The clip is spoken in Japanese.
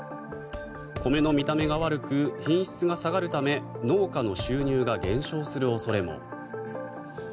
米の見た目が悪く品質が下がるため農家の収入が減少する恐れも。